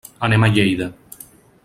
Anem a Lleida.